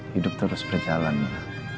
hidup terus berjalan ya